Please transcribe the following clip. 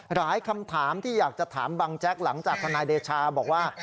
คำถามที่อยากจะถามบังแจ๊กหลังจากทนายเดชาบอกว่า